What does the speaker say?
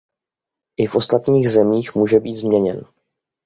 I v ostatních zemích může být změněn.